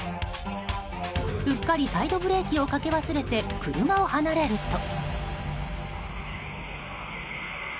うっかりサイドブレーキをかけ忘れて車を離れると。